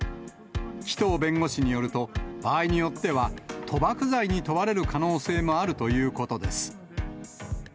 紀藤弁護士によると、場合によっては、賭博罪に問われる可能性もあるということです。